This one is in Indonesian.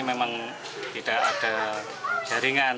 memang tidak ada jaringan